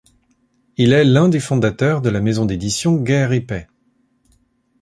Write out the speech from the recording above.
Il est l'un des fondateurs de la maison d'éditions Guère épais.